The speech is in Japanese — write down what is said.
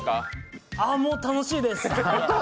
もう楽しいです！